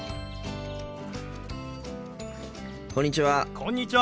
こんにちは。